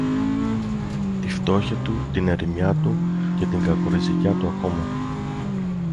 Τη φτώχεια του, την ερημιά του και την κακοριζικιά του ακόμα